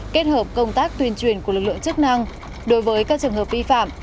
kết hợp công tác tuyên truyền của lực lượng chức năng đối với các trường hợp vi phạm